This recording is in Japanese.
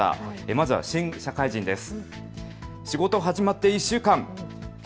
まずは新社会人です。